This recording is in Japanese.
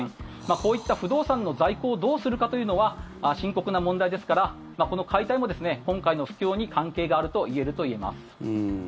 こういった不動産の在庫をどうするかというのは深刻な問題ですからこの解体もこの会の不況に関係があるといえると思います。